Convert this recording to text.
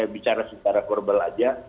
bicara secara korbel aja